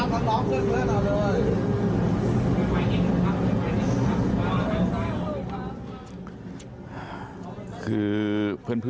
คุณพ่อของน้องจีบอกว่าที่บอกว่าพ่อของอีกคิวมาร่วมแสดงความอารัยในงานสวดศพของน้องจีด้วยคุณพ่อก็ไม่ทันเห็นนะครับ